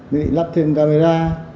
để lắp thêm camera